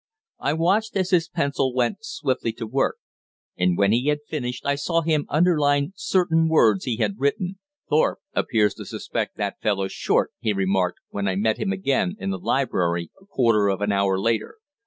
I watched as his pencil went swiftly to work, and when he had finished I saw him underline certain words he had written. "Thorpe appears to suspect that fellow Short," he remarked, when I met him again in the library a quarter of an hour later.